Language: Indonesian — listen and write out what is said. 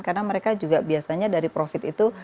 karena mereka juga biasanya dari profit itu